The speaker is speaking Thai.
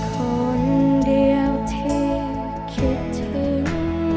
คนเดียวที่คิดถึง